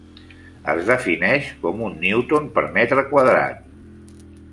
Es defineix com un newton per metre quadrat.